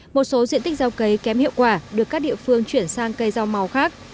một số diện tích gieo cấy kém hiệu quả được các địa phương chuyển sang cây rau màu khác